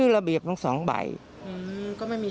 พับใส่จองแล้วไม่ให้